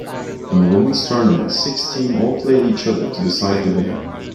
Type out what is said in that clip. In the women's tournament six teams all play each other to decide the winner.